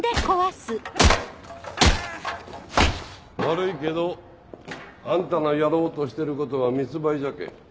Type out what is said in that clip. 悪いけどあんたのやろうとしてることは密売じゃけぇ。